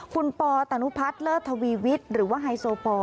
คุณปอตนุพัฒน์เลิศทวีวิทย์หรือว่าไฮโซปอล